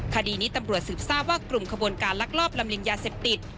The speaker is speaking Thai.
คดีนี้ตำรวจสืบทราบว่ากลุ่มขบวนการลักลอบลำเลียงยาเสพติด